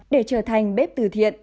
để trở thành bếp từ thiện